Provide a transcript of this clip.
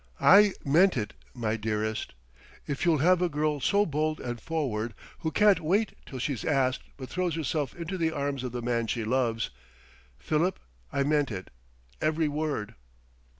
"I meant it, my dearest.... If you'll have a girl so bold and forward, who can't wait till she's asked but throws herself into the arms of the man she loves Philip, I meant it, every word!..."